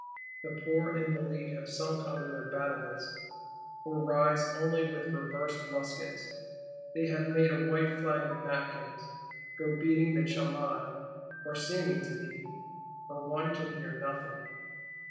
The poor Invalides have sunk under their battlements, or rise only with reversed muskets: they have made a white flag of napkins; go beating the chamade, or seeming to beat, for one can hear nothing.